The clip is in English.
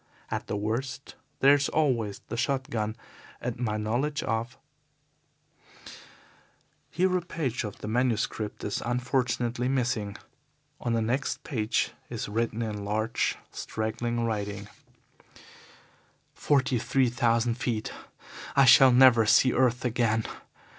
At the worst there is always the shot gun and my knowledge of ..." Here a page of the manuscript is unfortunately missing. On the next page is written, in large, straggling writing: "Forty three thousand feet. I shall never see earth again.